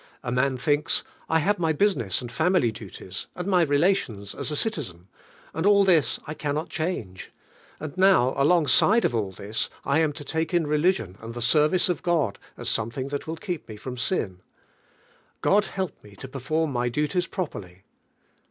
A man thinks: I have my business and family duties, and my re lations aa a citizen, and al! this I can not change. And now alongside of all this I am to take in religion and the service of Coil as something that will keep me from sin, God help nie to per form ni.v duties properly!